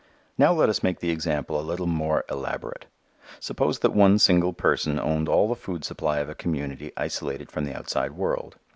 Now let us make the example a little more elaborate. Suppose that one single person owned all the food supply of a community isolated from the outside world.